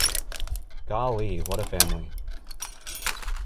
Golly, what a family!